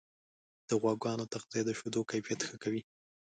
د غواګانو تغذیه د شیدو کیفیت ښه کوي.